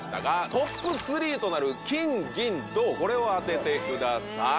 トップ３となる金銀銅これを当ててください。